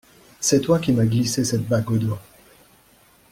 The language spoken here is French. C'est toi qui m'as glissé cette bague au doigt.